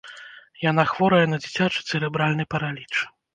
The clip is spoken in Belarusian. Яна хворая на дзіцячы цэрэбральны параліч.